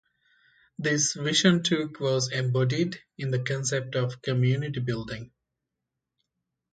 This vision took was embodied in the concept of a Community Building.